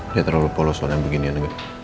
dia terlalu polos soalnya beginian